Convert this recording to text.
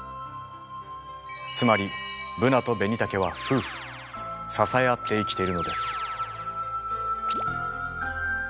つまりブナとベニタケは夫婦支え合って生きているのです。